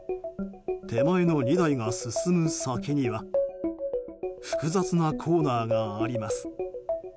手前の２台が進む先には複雑なコーナーがあります。